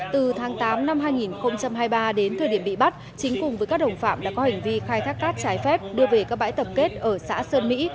từ tháng tám năm hai nghìn hai mươi ba đến thời điểm bị bắt chính cùng với các đồng phạm đã có hành vi khai thác cát trái phép đưa về các bãi tập kết ở xã sơn mỹ